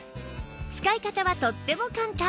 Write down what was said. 使い方はとっても簡単